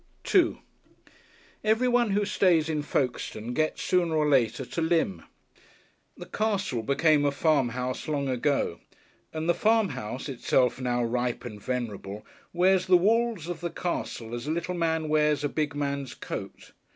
§2 Everyone who stays in Folkestone gets, sooner or later, to Lympne. The castle became a farmhouse long ago, and the farmhouse, itself now ripe and venerable, wears the walls of the castle as a little man wears a big man's coat.